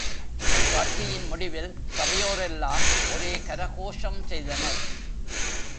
அக்காட்சியின் முடிவில் சபையோரெல்லாம் ஒரே கர கோஷம் செய்தனர்.